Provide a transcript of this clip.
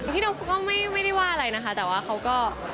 พี่โดมเขาก็ไม่ได้ว่าอะไรนะคะแต่ว่าเขาก็